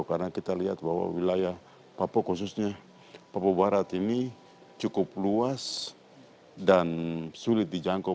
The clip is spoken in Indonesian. karena kita lihat bahwa wilayah papua khususnya papua barat ini cukup luas dan sulit dijangkau